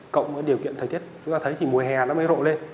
cộng với điều kiện thời tiết chúng ta thấy thì mùa hè nó mới rộ lên